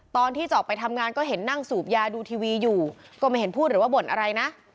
ตอนที่จะออกไปทำงานก็เห็นนั่งสูบยาดูทีวีอยู่ก็ไม่เห็นพูดหรือว่าบ่นอะไรนะ